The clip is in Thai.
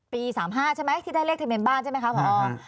ปี๓๕ใช่ไหมที่ได้เรียกเทคเมนบ้านใช่ไหมครับพออ